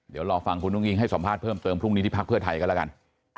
เดี๋ยวรอฟังคุณอุ้งอิงให้สัมภาษณ์เพิ่มเติมพรุ่งนี้ที่พักเพื่อไทยกันแล้วกัน